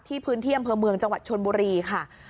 พื้นที่อำเภอเมืองจังหวัดชนบุรีค่ะ